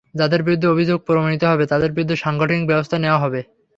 যাঁদের বিরুদ্ধে অভিযোগ প্রমাণিত হবে, তাঁদের বিরুদ্ধে সাংগঠনিক ব্যবস্থা নেওয়া হবে।